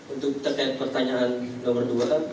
untuk terkait pertanyaan nomor dua